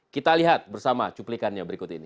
kita lihat bersama cuplikannya berikut ini